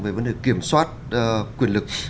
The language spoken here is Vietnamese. về vấn đề kiểm soát quyền lực